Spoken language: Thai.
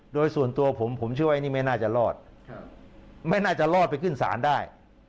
โดยส่วนตัวผมผมเชื่อว่านี่ไม่น่าจะรอดไม่น่าจะรอดไปขึ้นศาลได้